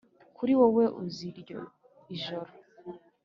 kuri wowe-uzi-iryo joro. '